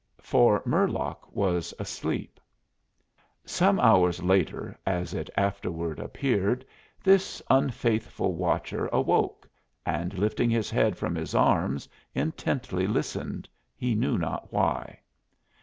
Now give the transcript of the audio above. For Murlock was asleep. Some hours later, as it afterward appeared, this unfaithful watcher awoke and lifting his head from his arms intently listened he knew not why.